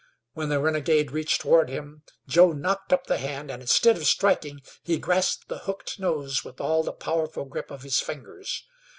When the renegade reached toward him Joe knocked up the hand, and, instead of striking, he grasped the hooked nose with all the powerful grip of his fingers.